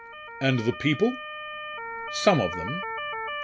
"And the people?" "Some of them."